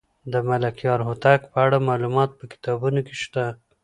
د ملکیار هوتک په اړه معلومات په کتابونو کې شته.